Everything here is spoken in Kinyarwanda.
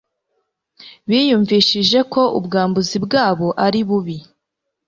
Biyumvishije ko ubwambuzi bwabo ari bubi,